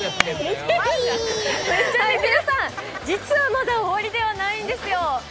皆さん実はまだ終わりではないんですよ。